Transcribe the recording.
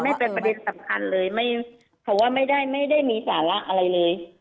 ไม่เป็นประเด็นสำคัญเลยเพราะว่าไม่ได้ไม่ได้มีสาระอะไรเลย